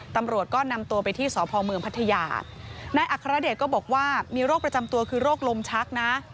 ตำรวจก็นำตัวไปที่สพเมืองพัทยานายอัครเดชก็บอกว่ามีโรคประจำตัวคือโรคลมชักนะ